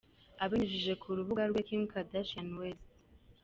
Abinyujije ku rubuga rwe rwa kimkardashianwest.